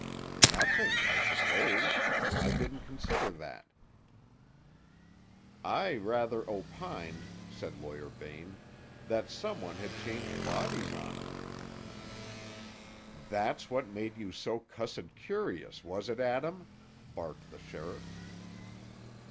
"Nothing, I suppose. I didn't consider that." "I rather opined," said Lawyer Bain, "that some one had changed bodies on 'em." "That's what made you so cussed curious, was it, Adam?" barked the sheriff.